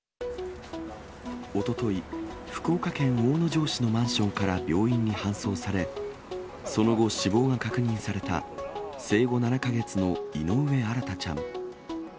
おととい、福岡県大野城市のマンションから病院に搬送され、その後、死亡が確認された生後７か月の井上新大ちゃん。